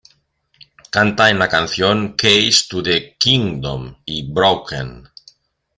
Canta en la canción "Keys to the Kingdom" y "Broken".